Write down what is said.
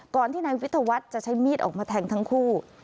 ก่อนที่นายวิทยาวัฒน์จะใช้มีดออกมาแทงทั้งคู่